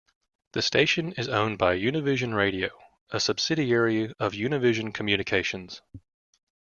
The station is owned by Univision Radio, a subsidiary of Univision Communications.